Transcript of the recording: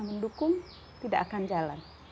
mendukung tidak akan jalan